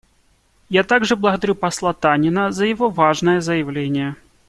Я также благодарю посла Танина за его важное заявление.